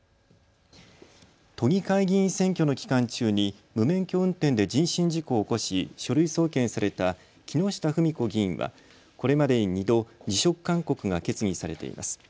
都議会議員選挙の期間中に無免許運転で人身事故を起こし書類送検された木下富美子議員はこれまでに２度、辞職勧告が決議されています。